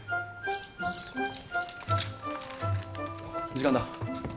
時間だ。